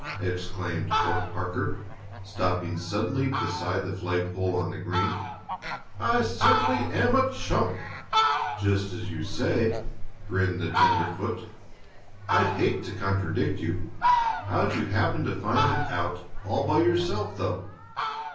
exclaimed Court Parker, stopping suddenly beside the flagpole on the green. "I certainly am a chump." "Just as you say," grinned the tenderfoot. "I'd hate to contradict you. How'd you happen to find it out all by yourself, though?"